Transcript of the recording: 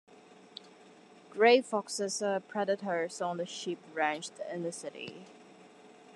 Grey foxes are predators on the sheep ranched in the city.